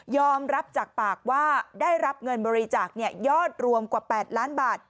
รับจากปากว่าได้รับเงินบริจาคยอดรวมกว่า๘ล้านบาท